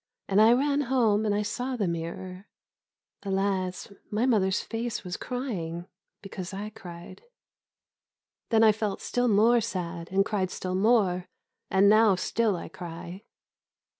And I ran home and I saw the mirror,^ Alas ! my mother's face was crying. Because I cried. 64 The Face in the Mirror Then I felt still more sad, And cried still more, And now still I cry.'